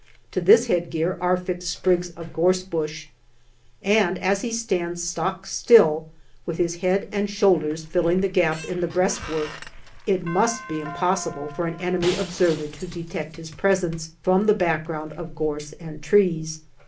To this headgear are fixed sprigs of gorse bush, and as he stands stock still, with his head and shoulders filling the gap in the breastwork, it must be impossible for an enemy observer to detect his presence from the background of gorse and trees.